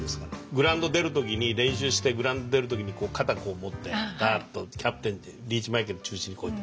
グラウンド出る時に練習してグラウンド出る時に肩こう持ってダッとキャプテンリーチマイケル中心にこうやって。